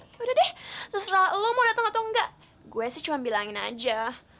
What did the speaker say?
yaudah deh terserah lo mau dateng atau enggak gue sih cuman bilangin aja